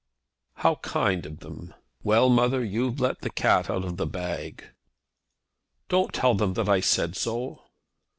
"How kind of them. Well, mother, you've let the cat out of the bag." "Don't tell them that I said so."